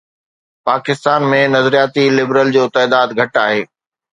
پاڪستان ۾ نظرياتي لبرل جو تعداد گهٽ آهي.